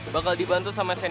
bakal dibantu sama kakaknya